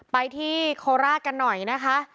ไปที่โคราชกันหน่อยนะคะ